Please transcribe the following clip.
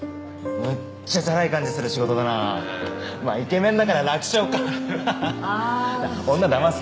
むっちゃチャラい感じする仕事だなまあイケメンだから楽勝かははははっ女だます